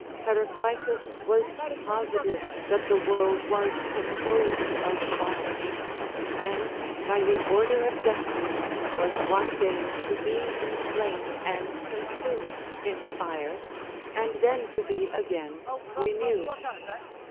Heraclitus was positive that the world was composed of fire; and, by the order of destiny, was one day to be enflamed and consumed in fire, and then to be again renewed.